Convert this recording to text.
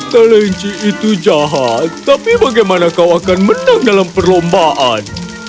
kelinci itu jahat tapi bagaimana kau akan menang dalam perlombaan